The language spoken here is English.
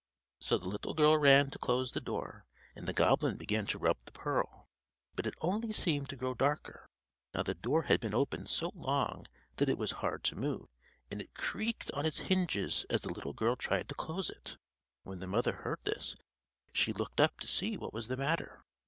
So the little girl ran to close the door, and the goblin began to rub the pearl; but it only seemed to grow darker. Now the door had been open so long that it was hard to move, and it creaked on its hinges as the little girl tried to close it. When the mother heard this she looked up to see what was the matter.